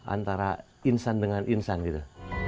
antara insan dengan insan gitu